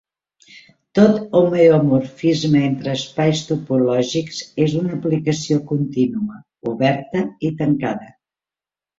Tot homeomorfisme entre espais topològics és una aplicació contínua, oberta i tancada.